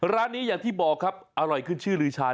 ร้านนี้อย่างที่บอกครับอร่อยขึ้นชื่อลือชา